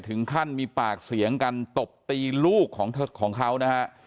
ถึงขั้นมีปากเสียงกันตบตีลูกของเขานะฮะ